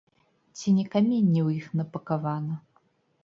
Ці не каменне ў іх напакавана?